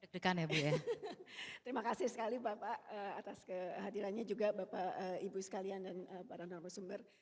terima kasih sekali bapak atas kehadirannya juga bapak ibu sekalian dan para narasumber